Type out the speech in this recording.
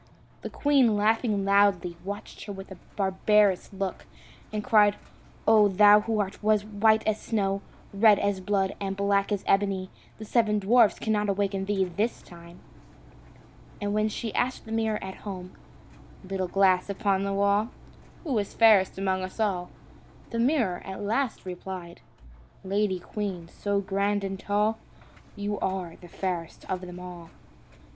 The queen, laughing loudly, watched her with a barbarous look, and cried, "O thou who art white as snow, red as blood, and black as ebony, the seven dwarfs cannot awaken thee this time!" And when she asked the mirror at home, "Little glass upon the wall, Who is fairest among us all?" the mirror at last replied, "Lady queen, so grand and tall, You are the fairest of them all."